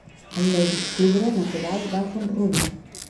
El nou d'octubre na Queralt va a Font-rubí.